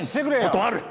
断る！